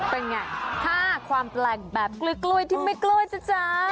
เป็นไงถ้าความแปลกแบบกล้วยที่ไม่กล้วยนะจ๊ะ